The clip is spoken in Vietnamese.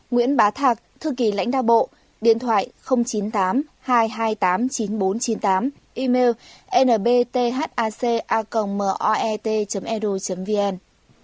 nguyễn bá thạc thư kỷ lãnh đa bộ điện thoại chín mươi tám hai trăm hai mươi tám chín nghìn bốn trăm chín mươi tám email nbthac moet edu vn